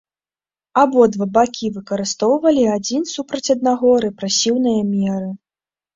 Абодва бакі выкарыстоўвалі адзін супраць аднаго рэпрэсіўныя меры.